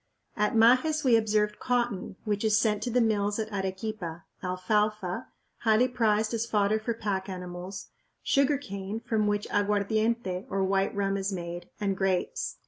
At Majes we observed cotton, which is sent to the mills at Arequipa, alfalfa, highly prized as fodder for pack animals, sugar cane, from which aguardiente, or white rum, is made, and grapes.